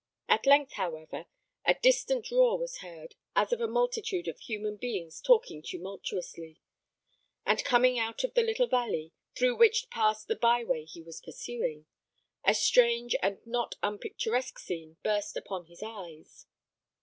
At length, however, a distant roar was heard, as of a multitude of human beings talking tumultuously; and coming out of the little valley, through which passed the byeway he was pursuing, a strange and not unpicturesque scene burst upon his eyes.